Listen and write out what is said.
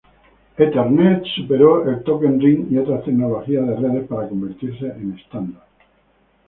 Ethernet superó el token ring y otras tecnologías de redes para convertirse en estándar.